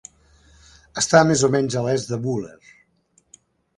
Està més o menys a l'est de Wooler.